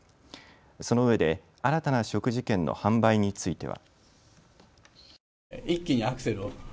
そのうえで新たな食事券の販売については。